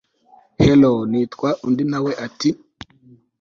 hello nitwa…… undi nawe ati